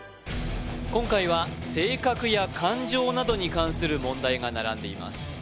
今回は性格や感情などに関する問題が並んでいます